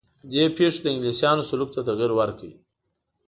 دې پېښو د انګلیسیانو سلوک ته تغییر ورکړ.